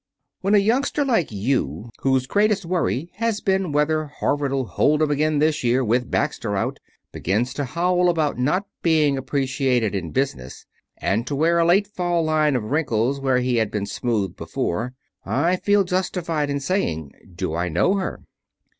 "When a youngster like you, whose greatest worry has been whether Harvard'll hold 'em again this year, with Baxter out, begins to howl about not being appreciated in business, and to wear a late fall line of wrinkles where he has been smooth before, I feel justified in saying, 'Do I know her?'"